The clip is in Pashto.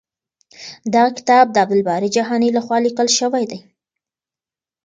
دغه کتاب د عبدالباري جهاني لخوا لیکل شوی دی.